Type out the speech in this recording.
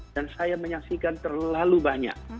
dan saya menyaksikan terlalu banyak